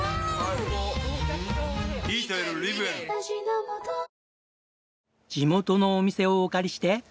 地元のお店をお借りして。